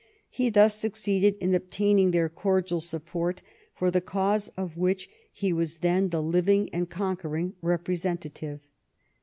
He thus succeeded in obtaining their cordial support for the cause of which he was then the living and conquering representative.